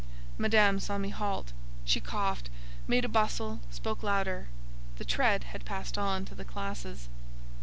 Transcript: Madame saw me halt. She coughed, made a bustle, spoke louder. The tread had passed on to the classes.